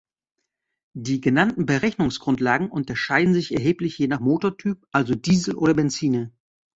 Die genannten Berechnungsgrundlagen unterscheiden sich erheblich je nach Motortyp, also Diesel oder Benziner.